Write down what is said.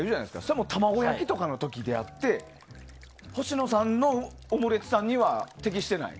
それは卵焼きの時であって星野さんのオムレツさんには適してない？